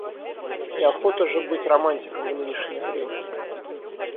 И охота же быть романтиком в нынешнее время!